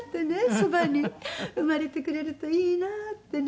そばに生まれてくれるといいなってね